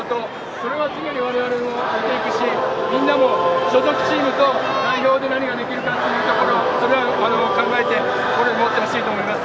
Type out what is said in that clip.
それは常に我々も見ていくしみんなも所属チームと代表で何ができるかっていうことをそれは我々も考えてここに戻ってほしいと思います。